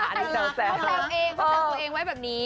ของตัวเองพอแจวตัวเองไว้แบบนี้